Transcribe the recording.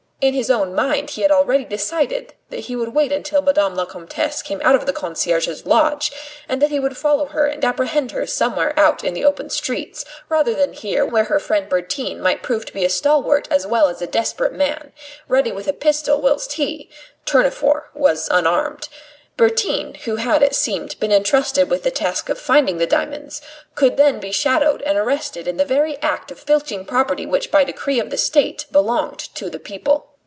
In his own mind he had already decided that he would wait until Madame la Comtesse came out of the concierge's lodge, and that he would follow her and apprehend her somewhere out in the open streets, rather than here where her friend Bertin might prove to be a stalwart as well as a desperate man, ready with a pistol, whilst he Tournefort was unarmed. Bertin, who had, it seemed, been entrusted with the task of finding the diamonds, could then be shadowed and arrested in the very act of filching property which by decree of the State belonged to the people.